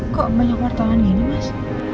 kok banyak wartawan gini mas